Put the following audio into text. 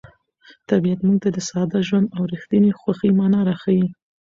طبیعت موږ ته د ساده ژوند او رښتیني خوښۍ مانا راښيي.